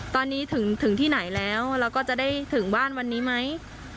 ตอนนี้ถึงที่ไหนแล้วแล้วก็จะได้ถึงบ้านวันนี้ไหม